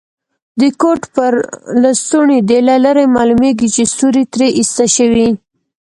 د کوټ پر لستوڼي دي له لرې معلومیږي چي ستوري ترې ایسته شوي.